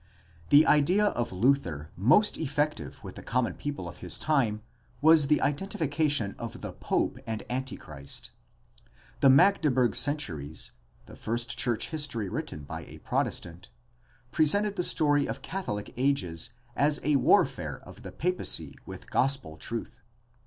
— The idea of Luther most effective with the common people of his time was his identification of the Pope and Antichrist. The Magdeburg Centuries, the first church history written by a Protestant, presented the story of CathoHc ages as a warfare of the papacy with gospel truth.